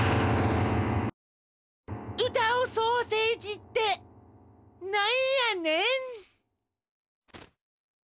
うたうソーセージってなんやねん？